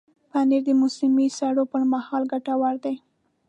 پنېر د موسمي سړو پر مهال ګټور دی.